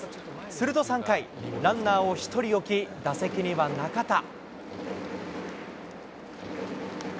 すると３回、ランナーを１人置き、打席には中田。